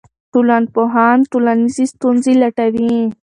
ټولنپوهان ټولنیزې ستونزې لټوي.